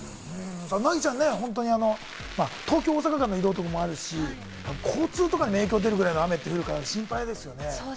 凪ちゃんね、東京−大阪間の移動とかもあるし、交通とかにも影響が出るぐらいの雨って言うから心配ですね。